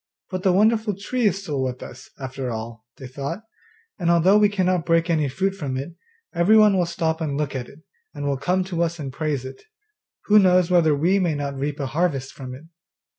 'But the wonderful tree is still with us, after all,' they thought, 'and although we cannot break any fruit from it, everyone will stop and look at it, and will come to us and praise it; who knows whether we may not reap a harvest from it?